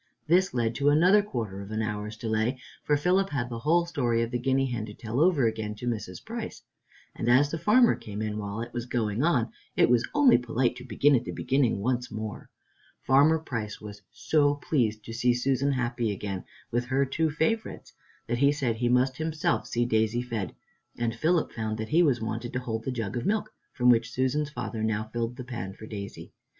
This led to another quarter of an hour's delay, for Philip had the whole story of the guinea hen to tell over again to Mrs. Price, and as the farmer came in while it was going on, it was only polite to begin at the beginning once more. Farmer Price was so pleased to see Susan happy again with her two favorites, that he said he must himself see Daisy fed, and Philip found that he was wanted to hold the jug of milk, from which Susan's father now filled the pan for Daisy.